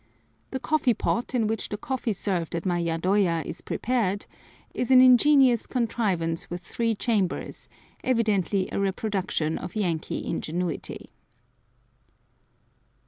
The coffee pot in which the coffee served at my yadoya is prepared is an ingenious contrivance with three chambers, evidently a reproduction of Yankee ingenuity.